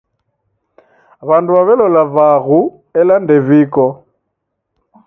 W'andu w'aw'elola vaghu, ela ndeviko